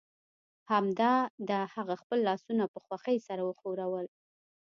همدا ده هغه خپل لاسونه په خوښۍ سره وښورول